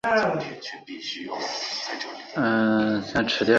前燕封他为岷山公。